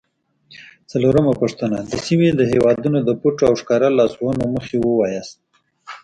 څلورمه پوښتنه: د سیمې د هیوادونو د پټو او ښکاره لاسوهنو موخې ووایاست؟